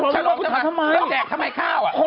ฉันลองจังหาแล้วแจกทำไมข้าวอ่ะ